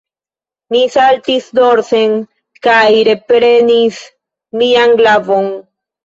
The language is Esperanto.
Mi saltis dorsen kaj reprenis mian glavon.